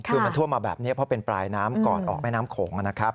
คือมันท่วมมาแบบนี้เพราะเป็นปลายน้ำก่อนออกแม่น้ำโขงนะครับ